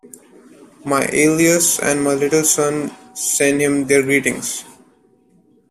My Aelius and my little son send him their greetings.